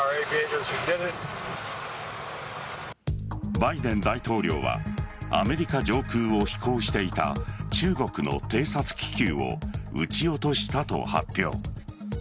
バイデン大統領はアメリカ上空を飛行していた中国の偵察気球を撃ち落としたと発表。